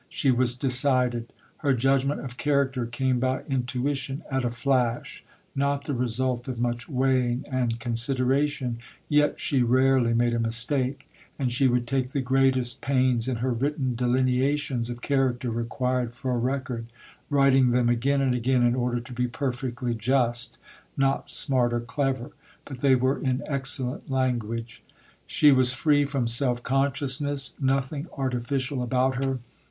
She was decided. Her judgment of character came by intuition, at a flash, not the result of much weighing and consideration; yet she rarely made a mistake, and she would take the greatest pains in her written delineations of character required for record, writing them again and again in order to be perfectly just, not smart or clever, but they were in excellent language. She was free from self consciousness; nothing artificial about her.